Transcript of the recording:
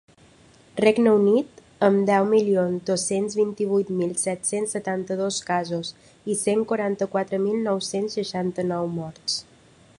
Regne Unit, amb deu milions dos-cents vint-i-vuit mil set-cents setanta-dos casos i cent quaranta-quatre mil nou-cents seixanta-nou morts.